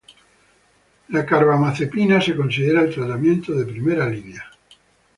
La carbamazepina se considera el tratamiento de primera línea.